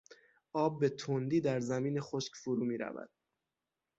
آب به تندی در زمین خشک فرو میرود.